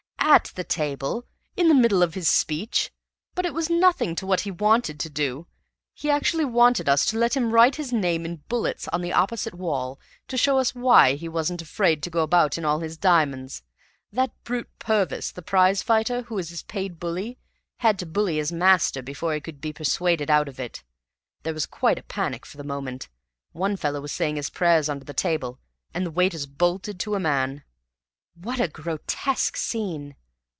"At the table! In the middle of his speech! But it was nothing to what he wanted to do. He actually wanted us to let him write his name in bullets on the opposite wall, to show us why he wasn't afraid to go about in all his diamonds! That brute Purvis, the prize fighter, who is his paid bully, had to bully his master before he could be persuaded out of it. There was quite a panic for the moment; one fellow was saying his prayers under the table, and the waiters bolted to a man." "What a grotesque scene!"